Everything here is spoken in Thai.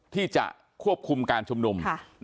ที่จะควบคุมการชุมนุม